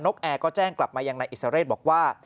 กแอร์ก็แจ้งกลับมายังนายอิสระเรศบอกว่า